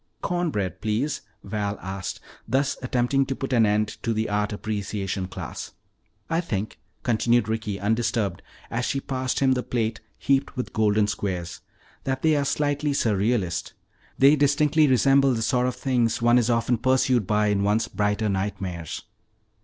'" "Corn bread, please," Val asked, thus attempting to put an end to the art appreciation class. "I think," continued Ricky, undisturbed as she passed him the plate heaped with golden squares, "that they are slightly surrealist. They distinctly resemble the sort of things one is often pursued by in one's brighter nightmares."